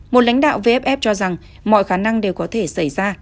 một lãnh đạo vff cho rằng mọi khả năng đều có thể xảy ra